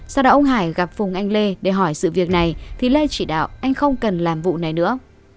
sau đó ông hải gặp phùng anh lê để hỏi sự việc này thì lê chỉ đạo anh không cần làm vụ này nữa